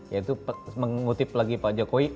yaitu mengutip lagi pak jokowi